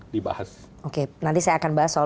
dibahas oke nanti saya akan bahas soal